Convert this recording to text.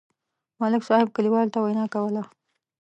ملک صاحب کلیوالو ته وینا کوله.